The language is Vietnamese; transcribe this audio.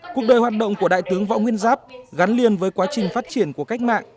cuộc đời hoạt động của đại tướng võ nguyên giáp gắn liền với quá trình phát triển của cách mạng